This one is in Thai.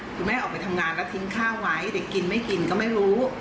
คือแม่ออกไปทำงานแล้วทิ้งข้าวไว้เด็กกินไม่กินก็ไม่รู้